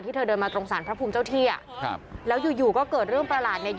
ที่เธอเดินมากรงศาลพระภูมิเจ้าเที่ยแล้วอยู่ก็เกิดเรื่องประหลาดเนี่ย